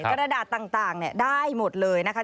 กระดาษต่างได้หมดเลยนะคะ